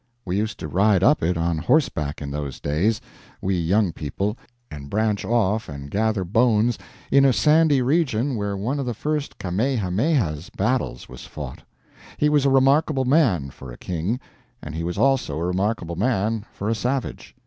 We used to ride up it on horseback in those days we young people and branch off and gather bones in a sandy region where one of the first Kamehameha's battles was fought. He was a remarkable man, for a king; and he was also a remarkable man for a savage.